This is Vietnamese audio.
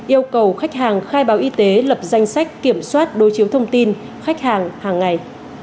yêu cầu khách hàng khai báo y tế lập danh sách kiểm soát đối chiếu thông tin khách hàng hàng ngày